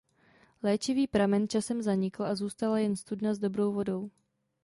Léčivý pramen časem zanikl a zůstala jen studna s "dobrou" vodou.